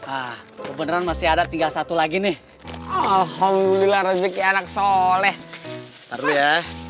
ah kebeneran masih ada tiga satu lagi nih alhamdulillah rezeki anak soleh taruh ya